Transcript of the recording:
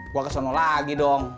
gue kesana lagi dong